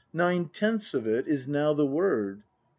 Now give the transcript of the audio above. Nine tenths of it is now the word.